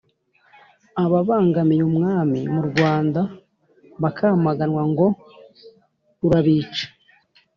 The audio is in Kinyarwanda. - ababangamiye umwami mu rwanda bakamaganwa (ngo:"urabice